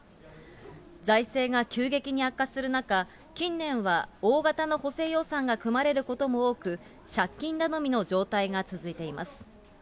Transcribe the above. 財政が急激に悪化する中、近年は大型の補正予算が組まれることも多く、借金頼みの状態が続いています。